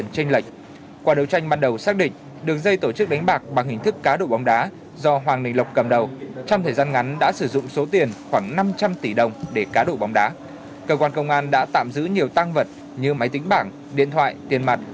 cơ quan công an đã tạm giữ nhiều tăng vật như máy tính bảng điện thoại tiền mặt